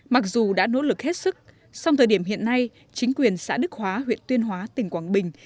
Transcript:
mặc dù đã nỗ lực hết sức song thời điểm hiện nay chính quyền xã đức hóa huyện tuyên hóa tỉnh quảng bình